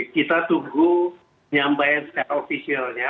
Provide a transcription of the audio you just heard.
kita tunggu nyampaian secara ofisialnya